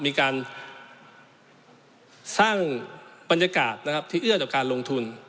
มีการสร้างบรรยากาศนะครับที่เอื้อต่อการลงทุน